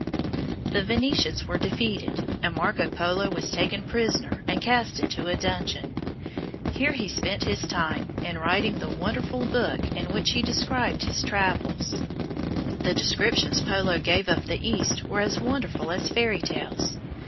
The Venetians were defeated, and Marco Polo was taken prisoner and cast into a dungeon. Here he spent his time in writing the wonderful book in which he described his travels. [Illustration: A Sea Fight.] The descriptions Polo gave of the East were as wonderful as fairy tales.